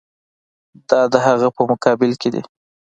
دا د هغه په مقابل کې دي.